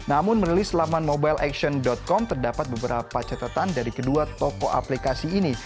namun merilis laman mobile action com terdapat beberapa catatan dari kedua toko aplikasi ini